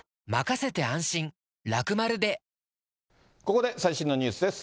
ここで最新のニュースです。